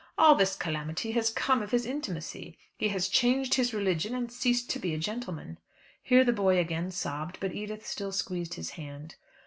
"All this calamity has come of his intimacy. He has changed his religion and ceased to be a gentleman." Here the boy again sobbed, but Edith still squeezed his hand.